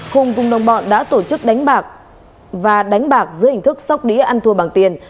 hùng cùng đồng bọn đã tổ chức đánh bạc và đánh bạc dưới hình thức sóc đĩa ăn thua bằng tiền